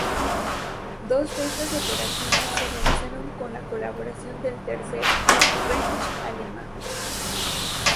Dos de estas operaciones se realizaron con la colaboración del Tercer Reich alemán.